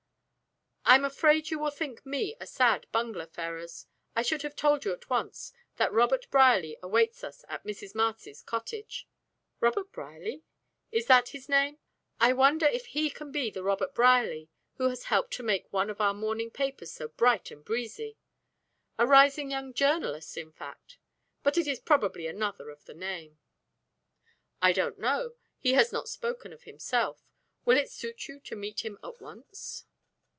"I'm afraid you will think me a sad bungler, Ferrars. I should have told you at once that Robert Brierly awaits us at Mrs. Marcy's cottage." "Robert Brierly? Is that his name? I wonder if he can be the Robert Brierly who has helped to make one of our morning papers so bright and breezy. A rising young journalist, in fact. But it's probably another of the name." "I don't know. He has not spoken of himself. Will it suit you to meet him at once?"